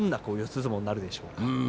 相撲になるでしょうか。